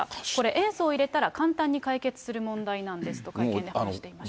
塩素を入れたら、簡単に解決する問題なんですと会見で話していました。